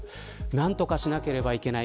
何とかしなければいけない。